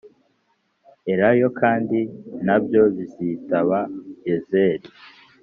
Elayo kandi na byo bizitaba yezer